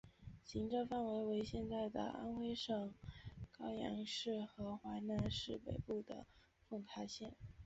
行政范围为现在安徽省阜阳市和淮南市北部的凤台县。